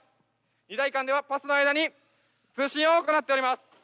２台間ではパスの間に通信を行っております。